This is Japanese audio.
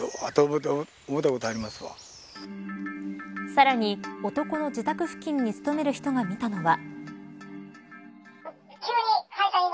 さらに男の自宅付近に勤める人が見たのは。